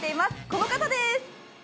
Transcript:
この方です！